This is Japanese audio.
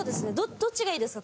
どっちがいいですか？